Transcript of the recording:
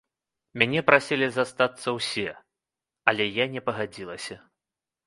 Мяне прасілі застацца ўсе, але я не пагадзілася.